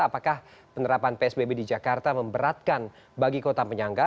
apakah penerapan psbb di jakarta memberatkan bagi kota penyangga